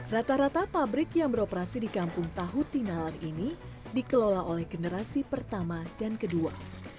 rata rata pabrik yang beroperasi di kampung tahu tinalan ini dikelola oleh generasi pertama dan kedua